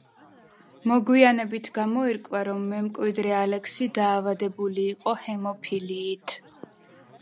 მოგვიანებით გამოირკვა, რომ მემკვიდრე ალექსი დაავადებული იყო ჰემოფილიით.